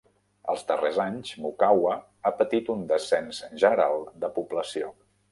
Els darrers anys, Mukawa ha patit un descens general de població.